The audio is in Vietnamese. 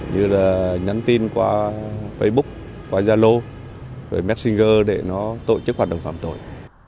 như là nhắn tin qua facebook qua gia lô rồi messenger để nó tổ chức hoạt động phạm tội